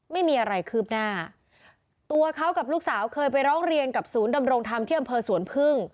ไม่มีอะไรคืบหน้าตัวเขากับลูกสาวเคยไปร้องเรียนกับศูนย์ดำรงธรรมที่อำเภอสวนพึ่ง